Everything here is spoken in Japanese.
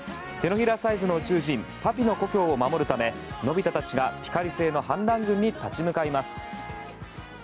手のひらサイズの宇宙人、パピの故郷を守るためのび太たちがピカリ星の反乱軍に立ち向かいます。